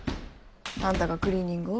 あんたがクリーニングを？